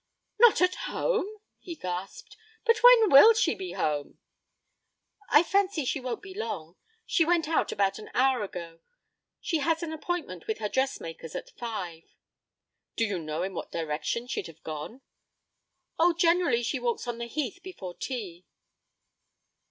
'Not at home!' he gasped. 'But when will she be home?' 'I fancy she won't be long. She went out an hour ago, and she has an appointment with her dressmaker at five.' 'Do you know in what direction she'd have gone?' 'Oh, she generally walks on the Heath before tea.'